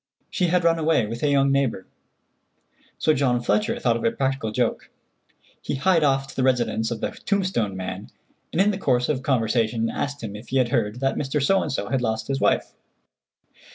She had run away with a young neighbor. So John Fletcher thought of a practical joke. He hied off to the residence of the tombstone man, and in the course of conversation asked him if he had heard that Mr. —— had lost his wife.